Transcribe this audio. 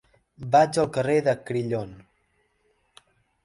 Vaig al carrer de Crillon.